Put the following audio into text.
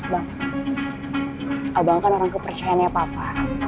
bang abang kan orang kepercayaannya papa